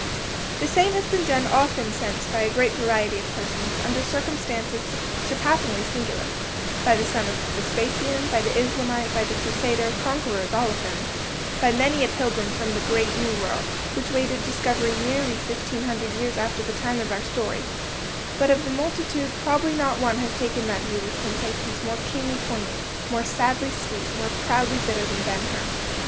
The same has been done often since by a great variety of persons, under circumstances surpassingly singular—by the son of Vespasian, by the Islamite, by the Crusader, conquerors all of them; by many a pilgrim from the great New World, which waited discovery nearly fifteen hundred years after the time of our story; but of the multitude probably not one has taken that view with sensations more keenly poignant, more sadly sweet, more proudly bitter, than Ben Hur.